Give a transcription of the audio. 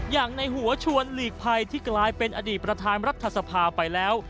อย่างในหัวชวนหลีกภัยที่กลายเป็นอดีตประธานรัฐสภาไปแล้ว